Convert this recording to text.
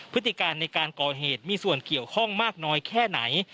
พฤติการในการก่อเหตุมีส่วนเกี่ยวข้องมากน้อยแค่ไหน